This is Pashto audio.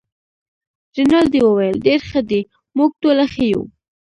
رینالډي وویل: ډیر ښه دي، موږ ټوله ښه یو.